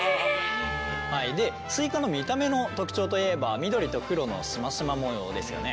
スイカの見た目の特徴といえば緑と黒のシマシマ模様ですよね。